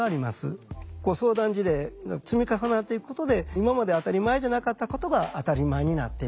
相談事例が積み重なっていくことで今まで当たり前じゃなかったことが当たり前になっていく。